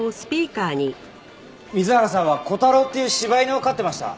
水原さんは小太郎っていう柴犬を飼っていました。